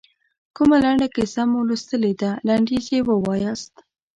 کومه لنډه کیسه مو لوستلې ده لنډیز یې ووایاست.